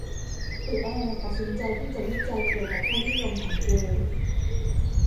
ปิแอร์ตัดสินใจที่จะวิจัยเกี่ยวกับค่านิยมของเกย์